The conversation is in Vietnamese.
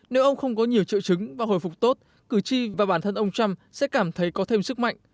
nếu ông không có nhiều triệu chứng và hồi phục tốt cử tri và bản thân ông trump sẽ cảm thấy có thêm sức mạnh